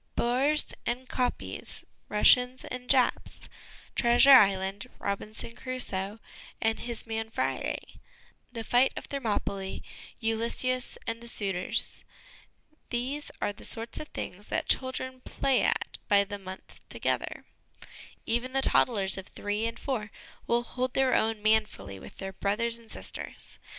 Boers and kopjes, Russians and Japs, Treasure Island, Robinson Crusoe and his man Friday, the fight of Thermopylae, Ulysses and the Suitors these are the sorts of things that children play at by the month together ; even the toddlers of three and four will hold their own manfully with their brothers and sisters.